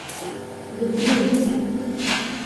Tbeddlem.